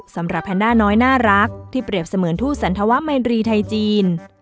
แพนด้าน้อยน่ารักที่เปรียบเสมือนทู่สันธวะเมนรีไทยจีน